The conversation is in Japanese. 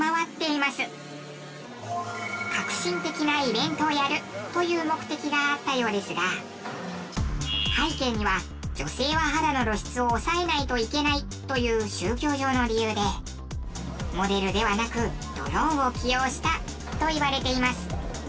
革新的なイベントをやるという目的があったようですが背景には女性は肌の露出を抑えないといけないという宗教上の理由でモデルではなくドローンを起用したといわれています。